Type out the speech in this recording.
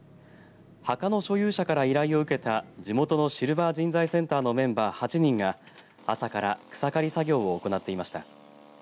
墓の所有者から依頼を受けた地元のシルバー人材センターのメンバー８人が朝から草刈り作業を行っていました。